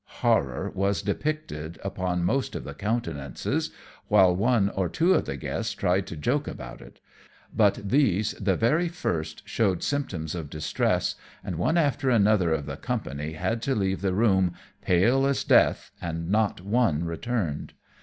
Horror was depicted upon most of the countenances, whilst one or two of the guests tried to joke about it; but these the very first showed symptoms of distress, and one after another of the company had to leave the room pale as death, and not one returned.